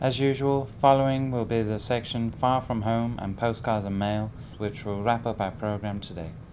trước tiên thì xin mời quý vị khán giả cùng đến với những thông tin đối ngoại nổi bật trong tuần qua